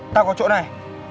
tao có chỗ này